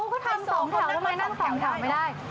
เอ้าก็ทำสองแถวทำไมนั่งสองแถวไม่ได้